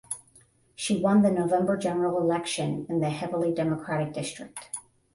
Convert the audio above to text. She won the November general election in the heavily Democratic district.